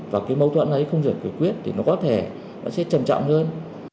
mâu thuẫn này không rời khởi quyết thì nó có thể nó sẽ trầm trọng hơn